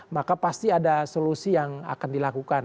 maka pasti ada solusi yang akan dilakukan